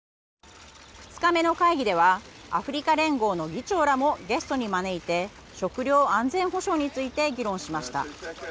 ２日目の会議ではアフリカ連合の議長らもゲストに招いて食料安全保障について議論しました。